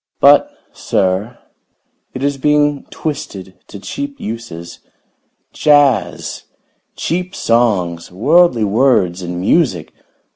But, sir, it is being twisted to cheap uses. Jazz! Cheap songs! Worldly words and music!